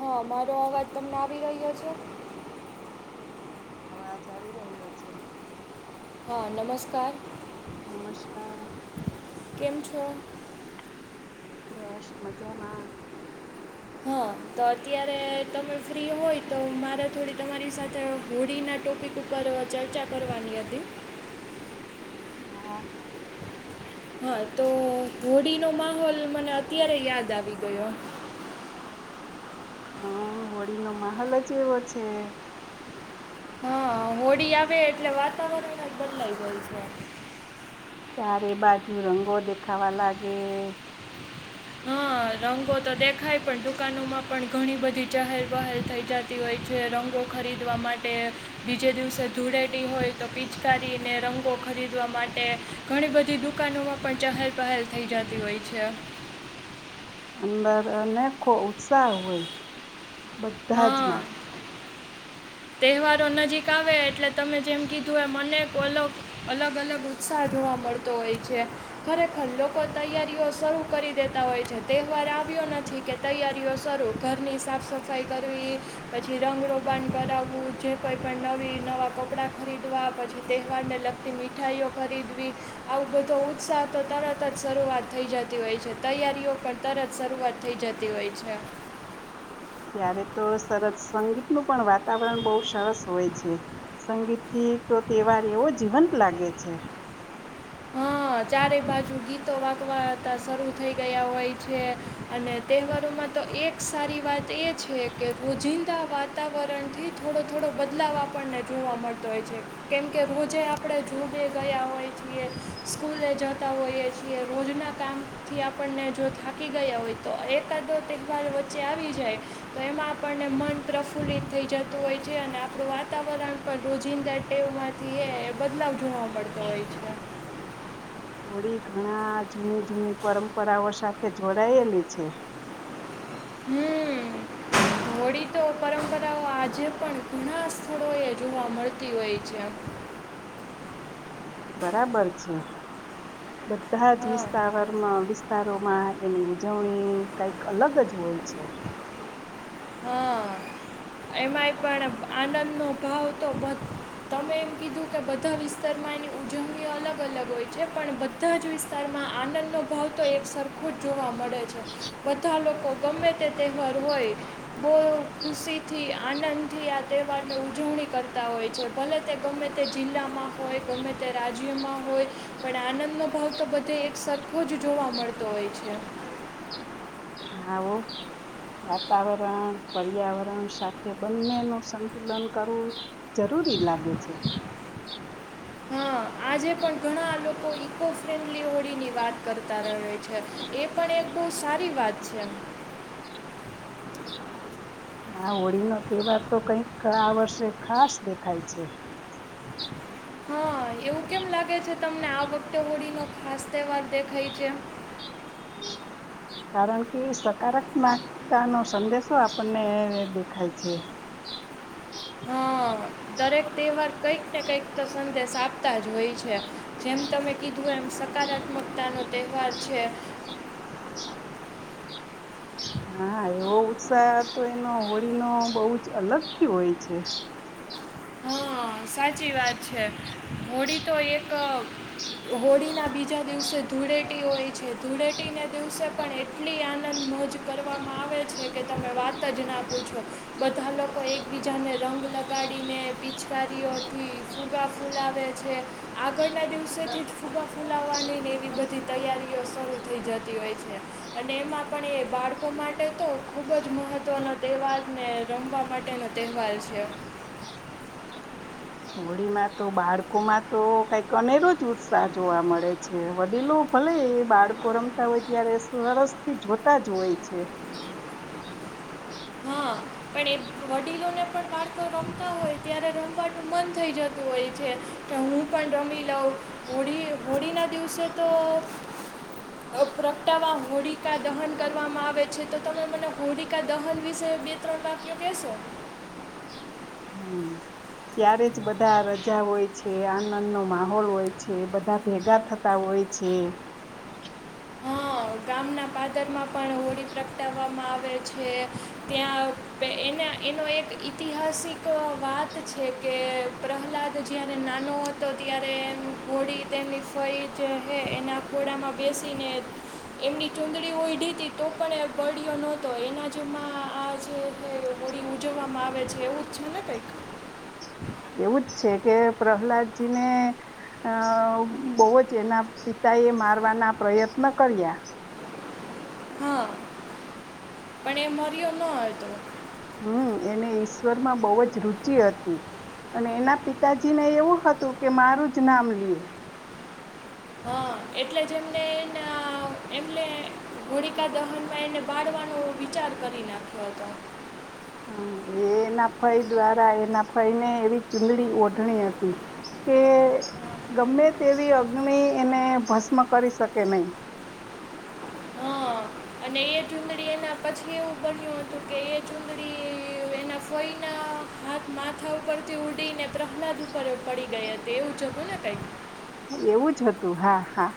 હા મારો અવાજ તમને આવી રહ્યો છે. અવાજ આવી રહ્યો છે. હા નમસ્કાર. નમસ્કાર. કેમ છો? બસ મજામાં. હા તો અત્યારે તમે ફ્રી હોય તો મારે થોડી તમારી સાથે હોડીના ટોપિક ઉપર ચર્ચા કરવાની હતી. હા. હા તો હોળીનો માહોલ મને અત્યારે યાદ આવી ગયો. હમ હોળીનો માહોલ જ એવો છે. હા હોડી આવે એટલે વાતાવરણ જ બદલાઈ જાય છે. ચારે બાજુ રંગો દેખાવા લાગે હા રંગો તો દેખાય પણ દુકાનોમાં પણ ઘણી બધી ચહેલ પહેલ થઈ જતી હોય છે રંગો ખરીદવા માટે બીજે દિવસે ધૂળેટી હોય તો પિચકારીને રંગો ખરીદવા માટે ઘણી બધી દુકાનોમાં પણ ચહેલ પહેલ થઈ જતી હોય છે. અંદર અનેકો ઉત્સાહ હોય બધાજ હા માં તહેવારો નજીક આવે એટલે તમે જેમ કીધું એ મને અગ અલગ અલગ ઉત્સાહ જોવા મળતો હોય છે ખરેખર લોકો તૈયારીઓ શરૂ કરી દેતા હોય છે તહેવાર આવ્યો નથી કે તૈયારીઓ શરૂ ઘરની સાફ સફાઈ કરવી પછી રંગરોબાણ કરાવ વું જે કોંઈ પણ નવી નવાં કપડાં ખરીદવા પછી તહેવારને લગતી મીઠાઈઓ ખરીદવી આવો બધો ઉત્સાહ તો તરત જ શરૂઆત થઈ જતી હોય છે તૈયારીઓ પણ તરત શરૂઆત થઈ જતી હોય છે. ત્યારે તો સરસ સંગીતનું પણ વાતાવરણ બહુ સરસ હોય છે સંગીત થી તો તહેવાર એવો જીવંત લાગે છે. હા ચારે બાજુ ગીતો વાગવાતા શરૂ થઈ ગયા હોય છે અને તહેવારોમાં તો એક સારી વાત એ છે કે રોજિંદા વાતાવરણ થી થોડો થોડો બદલાવ આપણને જોવા મળતો હોય છે કેમકે રોજે આપડે જોડે ગયા હોય છે. સ્કૂલે જતા હોઈએ છીએ રોજના કામથી આપણને જો થાકી ગયા હોય તો એકાદો તહેવાર વચ્ચે આવી જાય તો એમાં આપણને મન પ્રફુલ્લિત થઈ જતું હોય છે અને આપડુ વાતાવરણ પણ રોજિંદા ટેવમાંથી એ બદલાવ જોવા મળતો હોય છે. હોળી ઘણા જૂની જૂની પરંપરાઓ સાથે જોડાયેલી છે. હમ હોળી તો પરંપરાઓ આજે પણ ઘણા સ્થળો એ જોવા મળતી હોય છે. બરાબર છે. બધા જ હા વિસ્તાવરમાં વિસ્તારોમાં એની ઉજવણી કઈક અલગ જ હોય છે. હા એમાંય પણ આનંદનો ભાવ તો તમે એમ કીધું કે બધા વિસ્તારમાં એની ઉજવણી અલગ અલગ હોય છે પણ બધા જ વિસ્તારમાં આનંદનો ભાવ તો એક સરખો જ જોવા મળે છે બધા લોકો ગમે તે તહેવાર હોય. બહુ ખુશીથી આનંદથી આ તહેવારની ઉજવણી કરતા હોય છે ભલે તે ગમે તે જિલ્લામાં હોય ગમે તે રાજ્યમાં હોય પણ આનંદનો ભાવ તો બધે એક સરખો જ જોવા મળતો હોય છે. આવો વાતાવરણ પર્યાવરણ સાથે બંનેનું સંતુલન કરવું જરૂરી લાગે છે. હા આજે પણ ઘણા લોકો ઈકો ફ્રેન્ડલી હોળી ની વાત કરતા રહે છે એ પણ એક બઉ સારી વાત છે. હા હોળી નો તહેવાર તો કઈક આ વર્ષે ખાસ દેખાય છે. હા એવું કેમ લાગે છે તમને આ વખતે હોળી ન ખાસ તહેવાર દેખાય છે કારણ કે સકારાત્મકતા નો સંદેશો આપણને દેખાય છે. હા દરેક તહેવાર કંઈક ને કંઈક તો સંદેશ આપતા જ હોય છે જેમ તમે કીધું એમ સકારાત્મકતા નો તહેવાર છે. હા એવો ઉત્સાહ તો એનો હોળીનો બહુ જ અલગથી હોય છે. હા સાચી વાત છે હોળી તો એક હોળીના બી જા દિવસે ધૂળેટી હોય છે ધૂળેટીને દિવસે પણ એટલી આનંદ મો જ કરવામાં આવે છે કે તમે વાત જ ના પૂછો બધા લોકો એકબીજાને રંગ લગાડીને પિછકારીઓથી ફુગા ફૂલાવે છે આ આગળના દિવસોથી જ ફુગા ફૂલાવાની નેવું બ થી તૈયારીઓ શરૂ થઈ જતી હોય છે અને એમાં પણ એ બાળકો માટે તો ખૂબ જ મહત્ત્વનો તહેવારને રમવા માટેનો તહેવાર છે હોળીમાં તો બાળકોમાં તો કઈક અનેરોજ ઉત્સાહ જોવા મળે છે વડીલો ભલે બાળકો રમતા હોય ત્યારે સરસ થી જોતા જ હોય છે. હા પણ એ વડીલોને પણ બાળકો રમતા હોય ત્યારે રમવાનું મન થઈ જતું હોય છે કે હું પણ રમી લઉં હોળી હોળી ના દિવસે તો પ્રગટાવા હોળીકા દહન કરવામાં આવે છે તો તમે મને હોળિકા દહન વિશે બે તત્રણ વાક્યો કેસો હમ ત્યારે જ બધા રજા હોય છે આનંદનો માહોલ હોય છે બધા ભેગા થતા હોય છે. હા ગામના પાદરમાં પણ હોળી પ્રગટાવામાં આવે છે ત્યાં એના એનો એક ઐતિહાસિક વાત છે કે પ્રહલાદ જયારે નાનો હતો ત્યારે હોડી તેની ફઈ જે એના ઘોડામાં બેસ સીને એમની ચુંદડી ઓળઢી હતી તો પણ એ બળયો નહોતો એના જેમાં આ જે કઈ હોળી ઉજવવામાં આવે છે એવું જ છે ને કંઈક. એવું જ છે કે પ્રહલાદજીને અ બવજ એના પિતા એ મારવાના પ્રયત્ન કર્યા. હા પણ એ મર્યો ન હતો હમ એને ઈશ્વરમાં બવ જ રુચિ હતી અને એના પિતાજીને એવું હતું કે મારું જ નામ લિયે. હા એટલે જ એમને એના એમને હોળિકા દહનમાં એને બાળવાનો વિચાર કરી નાખ્યો હતો. હ એ એના ફય દ્વારા એના ફય ને એવી ચુંદડી ઓઢણી હતી કે ગમે તે એવી અગ્નિ એને ભસ્મ કરી શકે નહી. હ અને એ ચુંદડી એના પછી એવું બન્યું હતું કે એ ચુંદડી એના ફોઈના હાથ માથા ઉપરથી ઉડીને પ્રહલાદ ઉપર પડી ગઈ હતી એવું જતું ને કઈક. એવું જ હતું હા હા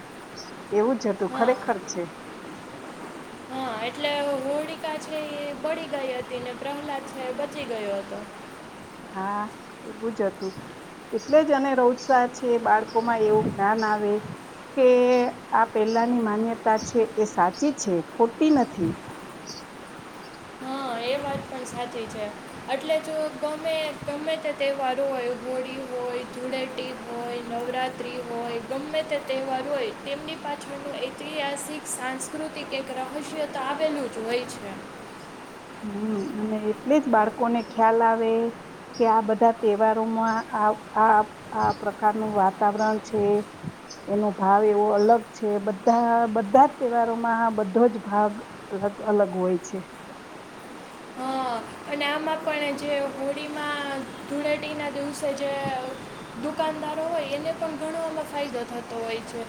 એવું જ હતું હા ખરેખર છે. હા એટલે હોળીકા છે એ બળી ગઈ હતી ને પ્રહલાદ છે એ બચી ગયો હતો. હા એવું જ હતું એટલે જ એને રોજસાહ છે બાળકોમાં એવું જ્ઞાન આવે કે આ પેલાની માન્યતા છે એ સાચી છે ખોટી નથી. હા એ વાત પણ સાચી છે એટલે જો ગમે ગમે તે તહેવાર હોય હોળી હોય ધુળેટી હોય નવરાત્રિ હોય ગમે તે તહેવાર હોય તેમની પાછળનું ઐતિહાસિક સાંસ્કૃતિક એક રહસ્ય તો આવેલું જ હોય છે. હમ અને એટલી જ બાળકોને ખ્યાલ આવે કે આ બધા તહેવારોમાં આ આ આ પ્રકારનું વાતાવરણ છે એનો ભાવ એવો અલગ છે બધા બધા જ તહેવારોમાં આ બધો જ ભાગ અલગ અલગ હોય છે. હા અને આમાં પણ જે હોળીમાં ધૂળેટીના દિવસે જે દુકાનદારો હોય એને પણ ઘણો આમાં ફાયદો થતો હોય છે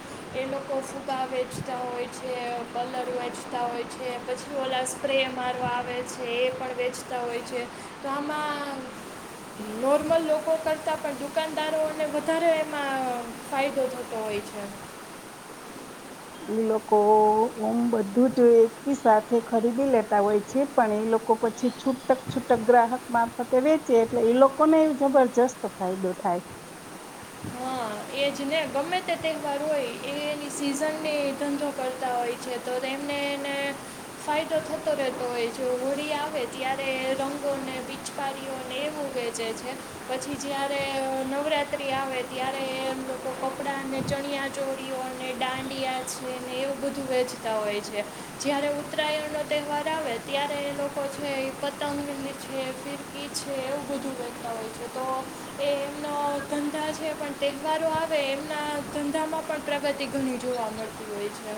એ લોકો ફૂગા વેચતા હોય છે કલર વેચતા હોય છે પછી ઓલા સ્પ્રે મારવા આવે છે એ પણ વેચ તા હોય છે તો આમાં નોર્મલ લોકો કરતાં પણ દુકાનદારોને વધારે એમાં ફાયદો થતો હોય છે. લોકો ઓમ બધું જ એકી સાથે ખરીદી લેતા હોય છે પણ એ લોકો પછી છૂટક છૂટક ગ્રાહક મારફતે વેચે એટલે એ લોકોને એ જબરજસ્ત ફાયદો થાય. હા એ જ ને ગમે તે તહેવાર હોય એની સિઝનની ધંધો કરતા હોય છે તો એમને એને ફાયદો થતો રહેતો હોય જો હોળી આવે ત્યારે રંગોને પિચકારીઓને એવું વેચે છે પછી જ્યારે નવરાત્રી આવે. ત્યારે એ એમ લોકો કપડાંને ચણિયા ચોરીઓને દાંડિયા છે ને એવું બધું વેચતા હોય છે જ્યારે ઉત્તરાયણનો તહેવાર આવે ત્યારે એ લોકો છે પતંગ છે ફિરકી છે એવું બધું વેચતા હોય છે તો એ એમનો ધંધા છે પણ તહેવારો આવે એમના ધંધામાં પણ પ્રગતિ ઘણી જોવા મળતી હોય છે.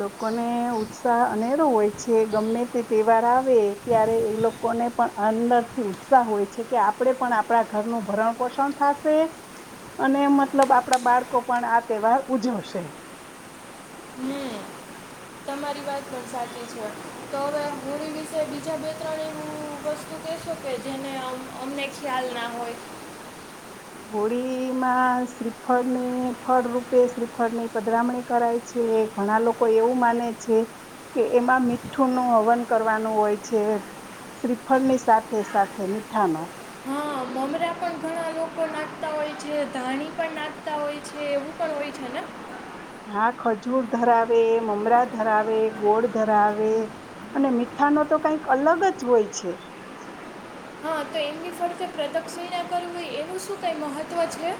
લોકોને ઉત્સાહ અનેરો હોય છે ગમે તે તહેવાર આવ વે ત્યારે એ લોકોને પણ અંદર થી ઉત્સાહ હોય છે કે આપડે પણ આપડા ઘરનું ભરણ પોષણ થાશે અને મતલબ આપડા બાળકો પણ આ તહેવાર ઉજવશે હમ તમારી વાત પણ સાચી છે તો હવે હોળી વિશે બીજા બે ત્રણ એવું વસ્તુ કહેશો કે જેને અમને ખ્યાલ ના હોય. હોળીમાં શ્રીફળની ફળ રૂપે શ્રીફળની પધરામણી કરાય છે ઘણા લોકો એવું માને છે કે એમાં મીઠું નું હવન કરવાનું હોય છે શ્રીફળની સાથે સાથે મીઠાનો. હા મમરા પણ ઘણા લોકો નાખતા હોય છે, ધાણી પણ નાખતા હોય છે, એવું પણ હોય છેને હા ખજૂર ધરાવે, મમરા ધરાવે, ગોળ ધરાવે, અને મીઠા ન તો કઈક અલગ જ હોય છે. હા તો એમની ફરતે પ્રદક્ષિણા ના કરવી હોય એવું શું કઈ મહત્વ છે.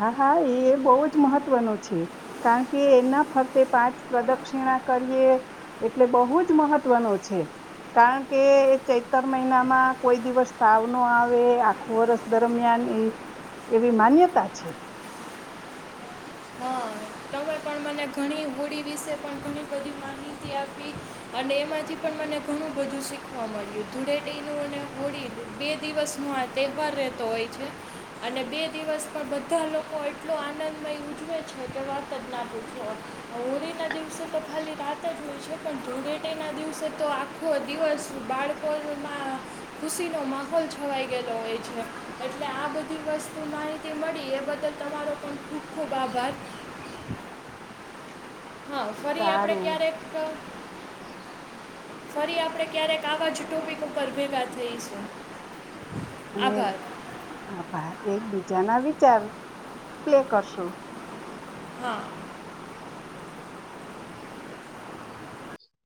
હા હા એ બવ જ મહત્વનું છે કારણ કે એના ફરતે પાંચ પ્રદક્ષિણા કરીએ એટલે બહુ જ મહત્વનું છે કારણ કે ચૈતર મહિનામાં કોઈ દિવસ તાવ ન આવે આખું વર્ષ દરમિયાન એ એવી માન્યતા. છે. હા તમે પણ મને ઘણી હોળી વિશે પણ ઘણી બધી માહિતી આપી અને એમાંથી પણ મને ઘણું બધું શીખવા મળ્યું ધૂળેટીનું અને હોળી બે દિવસનો આ તહેવાર રહેતો હોય છે અને બે દિવસ માં બધા લોકો એટલો આનંદમય ઉજવે છે કે વાર્ત જ ના હોય છે હોળી ના દિવસે તો ખાલી રાત જ હોય છે પણ ધૂળેટી ના દિવસે તો આખો દિવસ બાળકોમાં ખુશીનો માહોલ છવાઈ ગયેલો હોય છે એટલે આ બધી વસ્તુ માહિતી મળી એ બદલ તમારો પણ ખૂબ ખૂબ આભાર. હા ફરી આપડે સારું ક્યારેક ફરી આપડે ક્યારેક આવા જ ટોપિક ઉપર ભેગા થઈશું. અને આભાર આભાર એક બી જાના વિચાર પ્લે કરશું. હા.